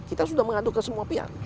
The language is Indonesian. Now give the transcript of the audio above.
kita sudah mengadu ke semua pihak